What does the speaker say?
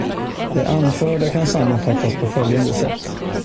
Det anförda kan sammanfattas på följande sätt.